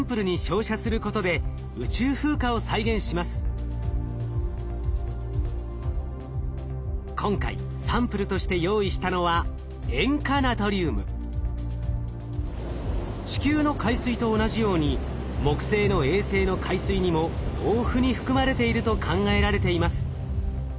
ここからそれぞれ今回サンプルとして用意したのは地球の海水と同じように木星の衛星の海水にも豊富に含まれていると考えられています。